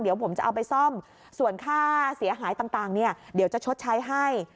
เดี๋ยวผมจะเอาไปซ่อมส่วนค่าเสียหายต่างเนี่ยเดี๋ยวจะชดใช้ให้